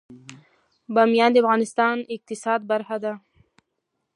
بامیان د افغانستان د اقتصاد برخه ده.